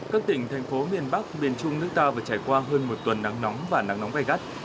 các tỉnh thành phố miền bắc miền trung nước ta phải trải qua hơn một tuần nắng nóng và nắng nóng gai gắt